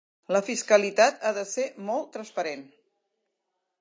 La fiscalitat ha de ser molt transparent.